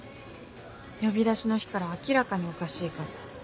呼び出しの日から明らかにおかしいから。